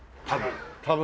多分。